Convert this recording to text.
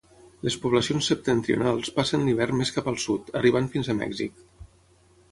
Les poblacions septentrionals passen l'hivern més cap al sud, arribant fins a Mèxic.